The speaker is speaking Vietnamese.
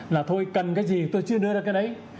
là thôi cần cái gì tôi chưa đưa ra cái đấy